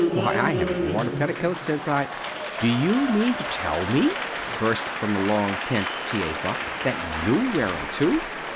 Why, I haven't worn a petticoat since I " "Do you mean to tell me," burst from the long pent T. A. Buck, "that you wear 'em too?"